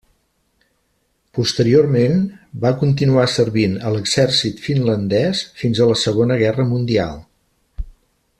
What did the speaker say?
Posteriorment va continuar servint a l'exèrcit finlandès fins a la Segona Guerra Mundial.